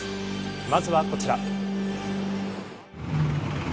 まずはこちら。